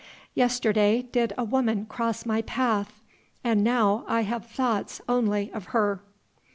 Yesterday did a woman cross my path and now I have thoughts only of her."